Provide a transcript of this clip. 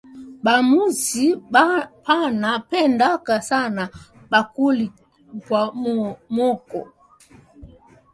Ba mushi bana pendaka sana bukali bwa mooko